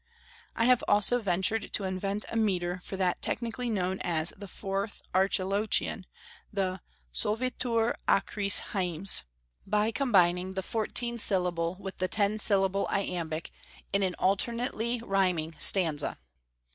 I have also ventured to invent a metre for that technically known as the Fourth Archilochian, the "Solvitur acris hiems," by combining the fourteen syllable with the ten syllable iambic in an alternately rhyming stanza.